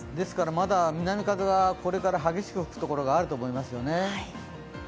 まだ南風はこれから激しく吹くところがあると思います。